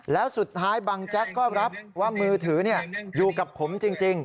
แล้วสุดท้ายบังแจ๊กก็รับว่ามือถืออยู่กับผมจริง